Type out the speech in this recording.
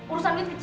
urusan duit kecil